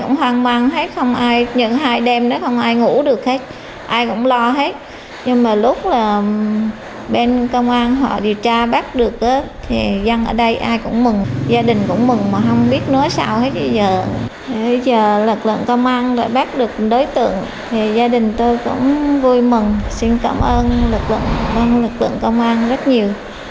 giờ lực lượng công an đã bác được đối tượng gia đình tôi cũng vui mừng xin cảm ơn lực lượng công an rất nhiều